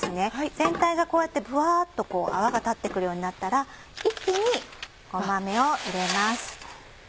全体がこうやってぶわっと泡が立って来るようになったら一気にごまめを入れます。